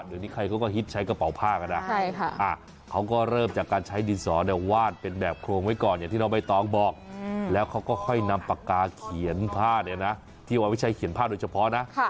เดี๋ยวนี้ใครเค้าก็ฮิตใช้กระเป๋าผ้ากันนะนะ